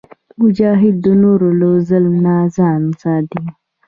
مجاهد د نورو له ظلم نه ځان ساتي.